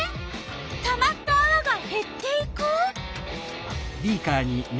たまったあわがへっていく！